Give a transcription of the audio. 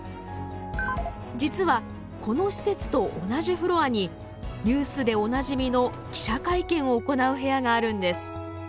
実はこの施設と同じフロアにニュースでおなじみの記者会見を行う部屋があるんです。